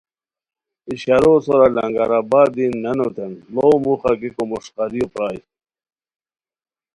اشارو سورا لنگر آباد دی نانوتین ڑو موخہ گیکومݰقاریو پرائے